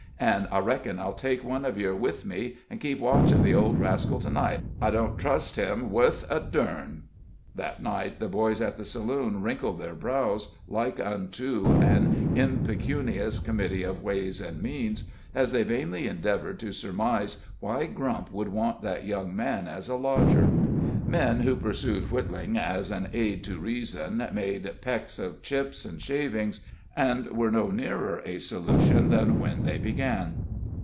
An' I reckon I'll take one of yer with me, an' keep watch of the old rascal to night. I don't trust him wuth a durn." That night the boys at the saloon wrinkled their brows like unto an impecunious Committee of Ways and Means, as they vainly endeavored to surmise why Grump could want that young man as a lodger. Men who pursued wittling as an aid to reason made pecks of chips and shavings, and were no nearer a solution than when they began.